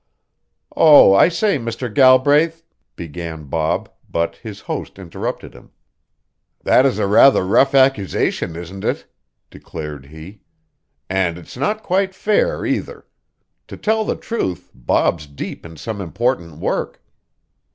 "Oh, I say, Mr. Galbraith " began Bob; but his host interrupted him. "That is a rather rough accusation, isn't it?" declared he, "and it's not quite fair, either. To tell the truth, Bob's deep in some important work."